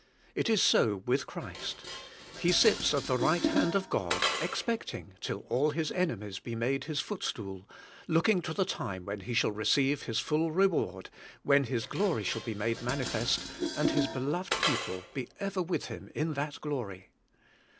It is so with Christ. He sits at the right hand of God, expecting till all His enemies be made His footstool, looking to the time when He shall receive His full reward, when His glory shall be made manifest, and His beloved people be ever with Him in that glory.